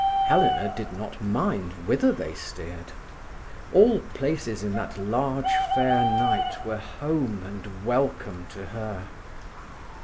Helena did not mind whither they steered. All places in that large fair night were home and welcome to her.